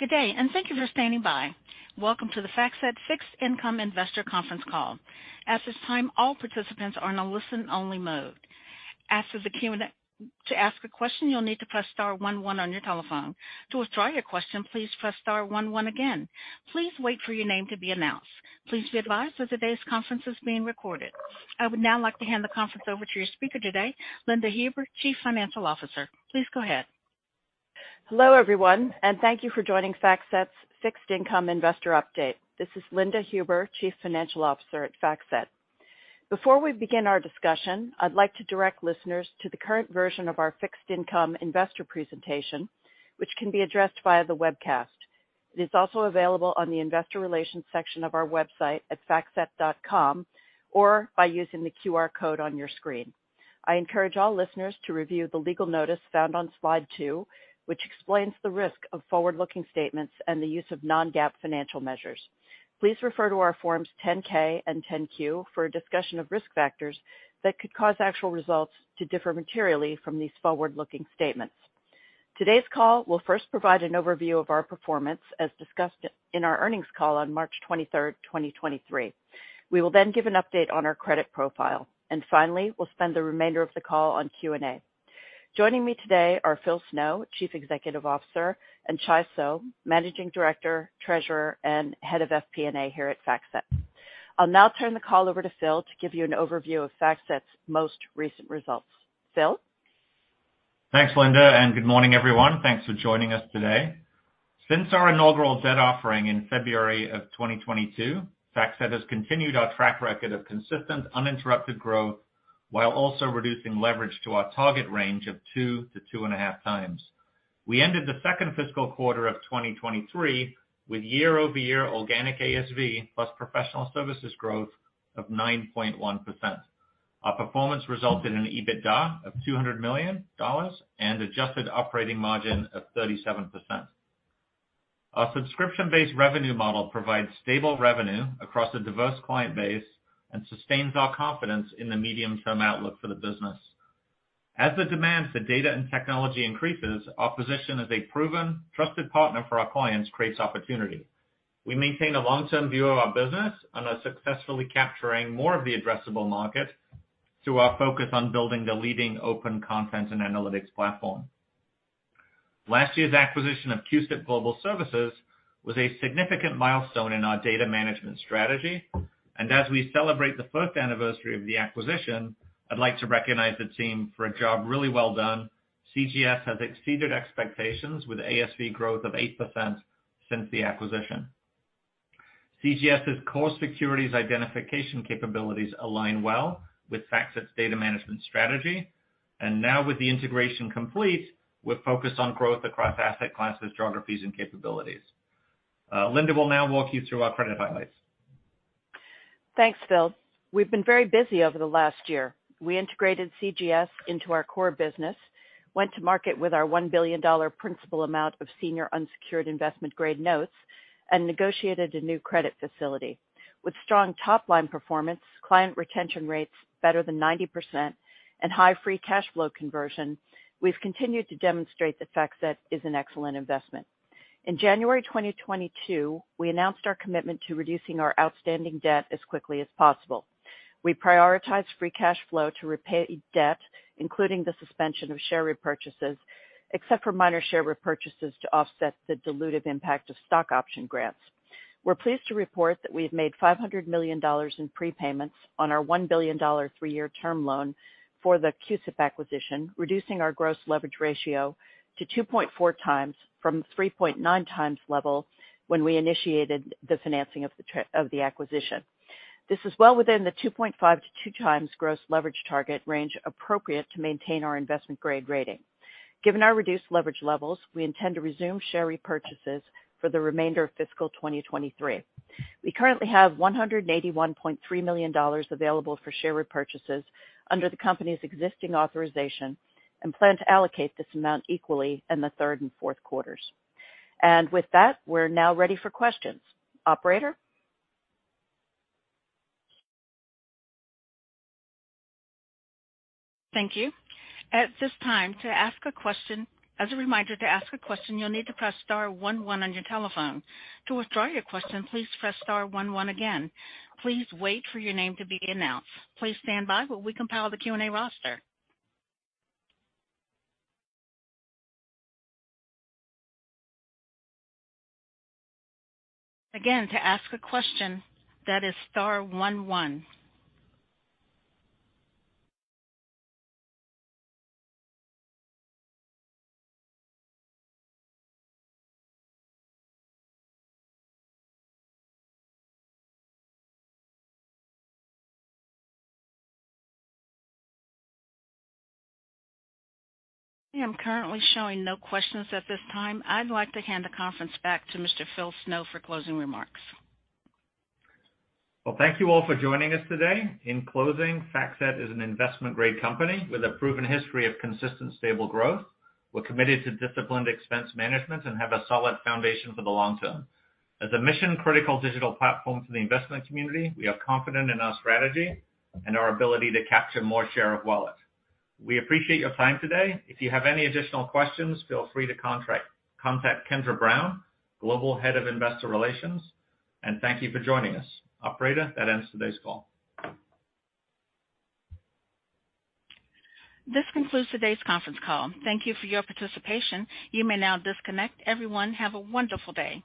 Good day, thank you for standing by. Welcome to the FactSet Fixed Income Investor Conference Call. At this time, all participants are in a listen-only mode. To ask a question, you'll need to press star one one on your telephone. To withdraw your question, please press star one one again. Please wait for your name to be announced. Please be advised that today's conference is being recorded. I would now like to hand the conference over to your speaker today, Linda Huber, Chief Financial Officer. Please go ahead. Hello, everyone, thank you for joining FactSet's Fixed Income Investor update. This is Linda Huber, Chief Financial Officer at FactSet. Before we begin our discussion, I'd like to direct listeners to the current version of our fixed income investor presentation, which can be addressed via the webcast. It is also available on the investor relations section of our website at factset.com or by using the QR code on your screen. I encourage all listeners to review the legal notice found on slide two, which explains the risk of forward-looking statements and the use of non-GAAP financial measures. Please refer to our forms 10-K and 10-Q for a discussion of risk factors that could cause actual results to differ materially from these forward-looking statements. Today's call will first provide an overview of our performance, as discussed in our earnings call on March 23rd, 2023. We will then give an update on our credit profile. Finally, we'll spend the remainder of the call on Q&A. Joining me today are Phil Snow, Chief Executive Officer, and Chai Suh, Managing Director, Treasurer, and Head of FP&A here at FactSet. I'll now turn the call over to Phil to give you an overview of FactSet's most recent results. Phil? Thanks, Linda. Good morning, everyone. Thanks for joining us today. Since our inaugural debt offering in February of 2022, FactSet has continued our track record of consistent, uninterrupted growth while also reducing leverage to our target range of 2x-2.5x. We ended the second fiscal quarter of 2023 with year-over-year organic ASV plus professional services growth of 9.1%. Our performance resulted in an EBITDA of $200 million and adjusted operating margin of 37%. Our subscription-based revenue model provides stable revenue across a diverse client base and sustains our confidence in the medium-term outlook for the business. As the demand for data and technology increases, our position as a proven, trusted partner for our clients creates opportunity. We maintain a long-term view of our business on successfully capturing more of the addressable market through our focus on building the leading open content and analytics platform. Last year's acquisition of CUSIP Global Services was a significant milestone in our data management strategy. As we celebrate the first anniversary of the acquisition, I'd like to recognize the team for a job really well done. CGS has exceeded expectations with ASV growth of 8% since the acquisition. CGS's core securities identification capabilities align well with FactSet's data management strategy. Now with the integration complete, we're focused on growth across asset classes, geographies, and capabilities. Linda will now walk you through our credit highlights. Thanks, Phil. We've been very busy over the last year. We integrated CGS into our core business, went to market with our $1 billion principal amount of senior unsecured investment-grade notes, and negotiated a new credit facility. With strong top-line performance, client retention rates better than 90%, and high free cash flow conversion, we've continued to demonstrate that FactSet is an excellent investment. In January 2022, we announced our commitment to reducing our outstanding debt as quickly as possible. We prioritize free cash flow to repay debt, including the suspension of share repurchases, except for minor share repurchases to offset the dilutive impact of stock option grants. We're pleased to report that we've made $500 million in prepayments on our $1 billion three-year term loan for the CUSIP acquisition, reducing our gross leverage ratio to 2.4x from 3.9x level when we initiated of the acquisition. This is well within the 2.5x-2x gross leverage target range appropriate to maintain our investment-grade rating. Given our reduced leverage levels, we intend to resume share repurchases for the remainder of fiscal 2023. We currently have $181.3 million available for share repurchases under the company's existing authorization and plan to allocate this amount equally in the third and fourth quarters. With that, we're now ready for questions. Operator? Thank you. As a reminder, to ask a question, you'll need to press star one one on your telephone. To withdraw your question, please press star one one again. Please wait for your name to be announced. Please stand by while we compile the Q&A roster. Again, to ask a question, that is star one one. I am currently showing no questions at this time. I'd like to hand the conference back to Mr. Phil Snow for closing remarks. Well, thank you all for joining us today. In closing, FactSet is an investment-grade company with a proven history of consistent, stable growth. We're committed to disciplined expense management and have a solid foundation for the long term. As a mission-critical digital platform to the investment community, we are confident in our strategy and our ability to capture more share of wallet. We appreciate your time today. If you have any additional questions, feel free to contact Kendra Brown, Global Head of Investor Relations. Thank you for joining us. Operator, that ends today's call. This concludes today's conference call. Thank you for your participation. You may now disconnect. Everyone, have a wonderful day.